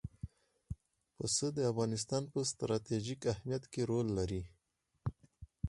پسه د افغانستان په ستراتیژیک اهمیت کې رول لري.